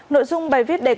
nội dung bài viết đề cập